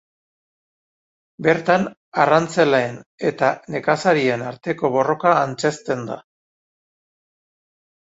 Bertan arrantzaleen eta nekazarien arteko borroka antzezten da.